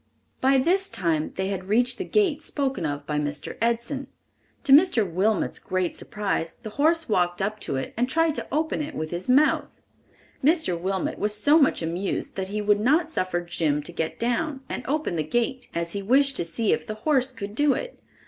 By this time they had reached the gate spoken of by Mr. Edson. To Mr. Wilmot's great surprise the horse walked tip to it and tried to open it with his mouth! Mr. Wilmot was so much amused that he would not suffer Jim to get down and open the gate, as he wished to see if the horse could do it.